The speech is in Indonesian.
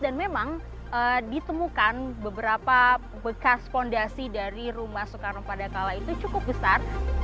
dan memang ditemukan beberapa bekas fondasi dari rumah soekarno pada kala itu cukup besar